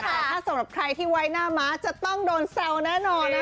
ถ้าสำหรับใครที่ไว้หน้าม้าจะต้องโดนแซวแน่นอนนะคะ